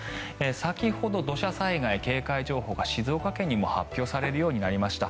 先ほど土砂災害警戒情報が静岡県にも発表されるようになりました。